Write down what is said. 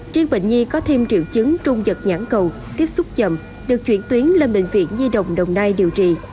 triên bệnh nhi có thêm triệu chứng trung giật nhãn cầu tiếp xúc chậm được chuyển tuyến lên bệnh viện nhi đồng đồng nai điều trị